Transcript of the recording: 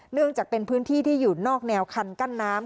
เนื่องจากเป็นพื้นที่ที่อยู่นอกแนวคันกั้นน้ำ